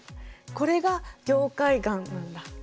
これが凝灰岩なんだ。